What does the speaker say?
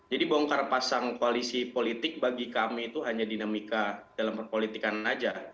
jadi bongkar pasang koalisi politik bagi kami itu hanya dinamika dalam perpolitikan aja